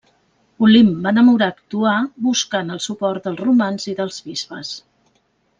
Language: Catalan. Olimp va demorar actuar buscant el suport dels romans i dels bisbes.